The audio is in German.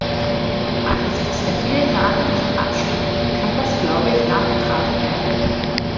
Angesichts der vielen namentlichen Abstimmungen kann das, glaube ich, nachgetragen werden.